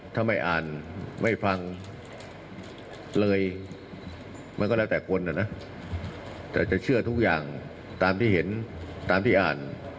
ถ้าไม่อ่านไม่ฟังเลยมันก็แล้วแต่คนน่ะนะแต่จะเชื่อทุกอย่างตามที่เห็นตามที่อ่าน